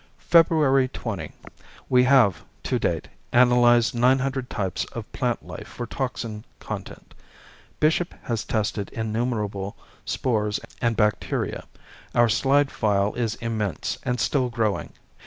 February 20 We have, to date, analyzed nine hundred types of plant life for toxin content. Bishop has tested innumerable spores and bacteria. Our slide file is immense and still growing.